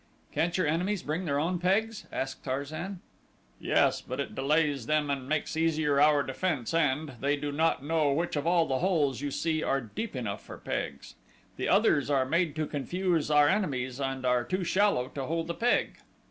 "Can't your enemies bring their own pegs?" asked Tarzan. "Yes; but it delays them and makes easier our defense and they do not know which of all the holes you see are deep enough for pegs the others are made to confuse our enemies and are too shallow to hold a peg."